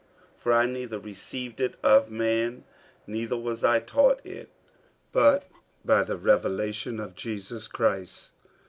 48:001:012 For I neither received it of man, neither was I taught it, but by the revelation of Jesus Christ.